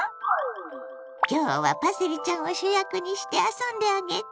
今日はパセリちゃんを主役にして遊んであげて！